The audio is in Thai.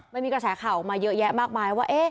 มันมีกระแสข่าวออกมาเยอะแยะมากมายว่า